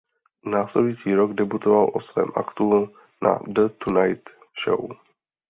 Následující rok debutoval o svém aktu na The Tonight Show.